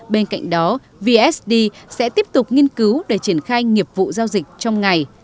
bên cạnh đó vsd sẽ tiếp tục nghiên cứu để triển khai nghiệp vụ giao dịch trong ngày